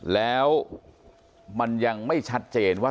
แล้วมันยังไม่ชัดเจนว่า